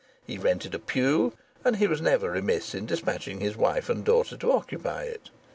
He rented a pew, and he was never remiss in despatching his wife and daughter to occupy it.